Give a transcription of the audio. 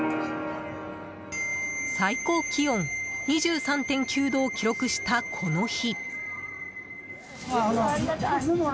最高気温２３．９度を記録したこの日。